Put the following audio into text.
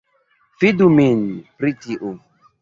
Fidu min pri tiu